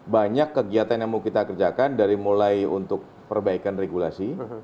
banyak kegiatan yang mau kita kerjakan dari mulai untuk perbaikan regulasi